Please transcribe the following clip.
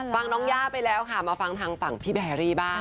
ฟังน้องย่าไปแล้วค่ะมาฟังทางฝั่งพี่แบรี่บ้าง